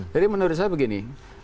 jadi menurut saya begini